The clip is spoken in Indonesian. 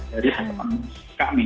dari teman teman kami